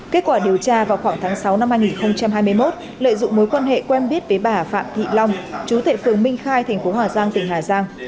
kết quả điều tra vào khoảng tháng sáu năm hai nghìn hai mươi một lợi dụng mối quan hệ quen biết với bà phạm thị long chú tệ phường minh khai thành phố hòa giang tỉnh hà giang